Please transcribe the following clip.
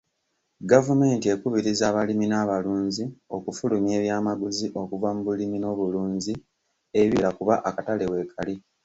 Gavumenti ekubiriza abalimi n'abalunzi okufulumya ebyamaguzi okuva mu bulimi n'obulunzi ebiwera kuba akatale weekali.